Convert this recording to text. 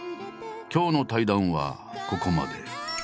今日の対談はここまで。